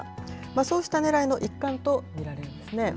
そうしたねらいの一環とみられるんですね。